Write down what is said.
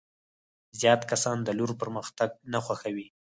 زیات کسان د لور پرمختګ نه خوښوي.